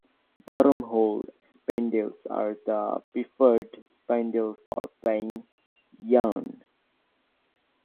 Bottom whorl spindles are the preferred spindle for plying yarn.